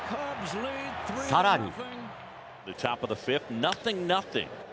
更に。